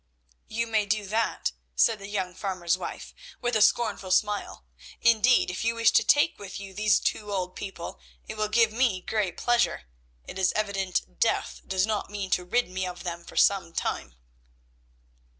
"You may do that," said the young farmer's wife, with a scornful smile; "indeed, if you wish to take with you these two old people, it will give me great pleasure. It is evident death does not mean to rid me of them for some time."